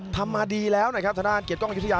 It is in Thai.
ทำมาดีแล้วนะครับทางด้านเกียรติกล้องอายุทยา